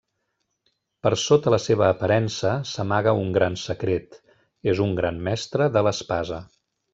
Però sota la seva aparença s'amaga un gran secret, és un gran mestre de l'espasa.